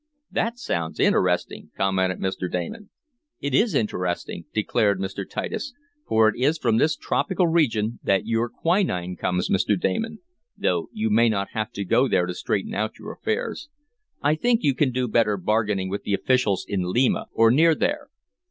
"That sounds interesting," commented Mr. Damon. "It is interesting," declared Mr. Titus. "For it is from this tropical region that your quinine comes, Mr. Damon, though you may not have to go there to straighten out your affairs. I think you can do better bargaining with the officials in Lima, or near there."